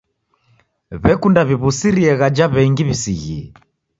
W'ekunda w'iw'usirie ghaja w'engi w'isighie.